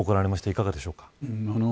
いかがでしょうか。